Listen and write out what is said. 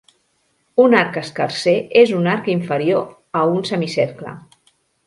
Un arc escarser és un arc inferior a un semicercle.